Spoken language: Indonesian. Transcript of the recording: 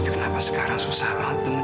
kenapa sekarang susah banget ketemu dia